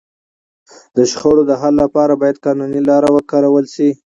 د شخړو د حل لپاره باید قانوني لاري وکارول سي.